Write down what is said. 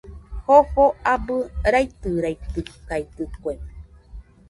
Jofo abɨ raitɨraitɨkaɨdɨkue.